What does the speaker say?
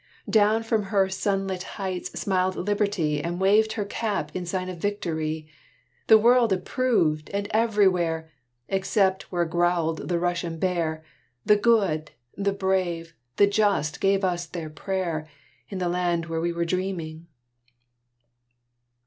Down from her sun lit heights smiled Liberty And waved her cap in sign of Victory The world approved, and everywhere, Except where growled the Russian bear, The good, the brave, the just gave us their prayer In the land where we were dreaming.